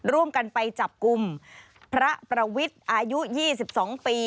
ร่วมกันไปจับกลุ่มพระประวิทย์อายุ๒๒ปี